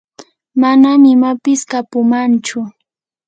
manam imapis kapumanchu.